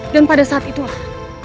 dan pada saat itulah